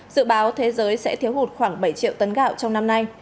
dự báo thế giới sẽ thiếu hụt khoảng bảy triệu tấn gạo trong năm nay